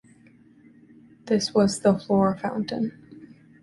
This was the Flora Fountain.